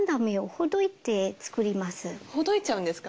ほどいちゃうんですか？